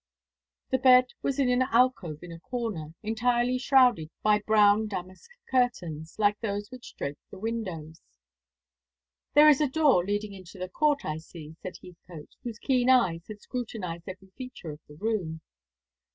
The bed was in an alcove in a corner, entirely shrouded by brown damask curtains like those which draped the windows. "There is a door leading into the court, I see," said Heathcote, whose keen eyes had scrutinised every feature of the room.